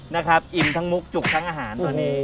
นะครับอิ่มทั้งมุกจุกทั้งอาหารตัวนี้